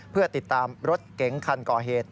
เพื่อติดตามรถเก๋งคันก่อเหตุ